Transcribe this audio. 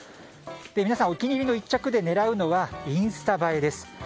皆さん、お気に入りの１着で狙うのはインスタ映えです。